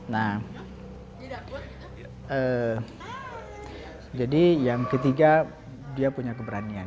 nah jadi yang ketiga dia punya keberanian